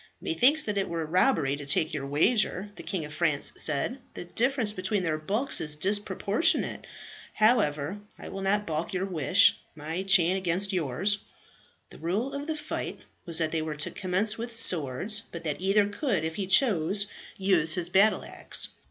"Methinks that it were robbery to take your wager," the King of France said. "The difference between their bulk is disproportionate. However, I will not baulk your wish. My chain against yours." The rule of the fight was that they were to commence with Swords, but that either could, if he chose, use his battle axe.